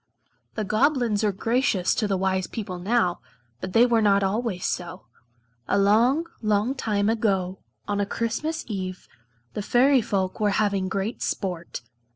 The Goblins are gracious to the wise people now, but they were not always so. A long, long time ago, on a Christmas eve, the Fairy folk were having great sport.